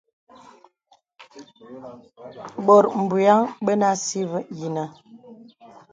Bòt bùyaŋ bənə así yìnə.